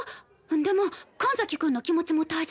でも神崎くんの気持ちも大切でしょ？